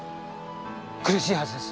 苦しいはずです。